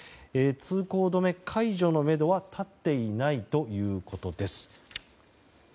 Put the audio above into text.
通行止め解除のめどは立っていないということです。